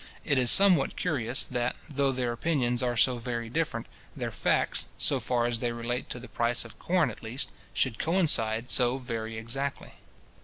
It is somewhat curious that, though their opinions are so very different, their facts, so far as they relate to the price of corn at least, should coincide so very exactly.